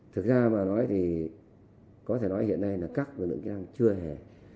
thực ra mà nói thì có thể nói hiện nay là các vườn lượng kinh doanh chưa hề